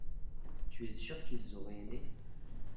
tu es sûr qu'ils auraient aimé.